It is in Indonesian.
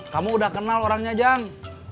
kamu udah kenal orangnya jang